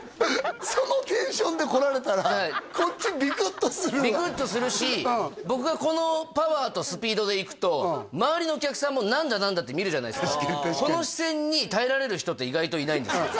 そのテンションで来られたらこっちビクッとするわビクッとするし僕がこのパワーとスピードで行くと周りのお客さんも「何だ？何だ？」って見るじゃないっすかこの視線に耐えられる人って意外といないんですよ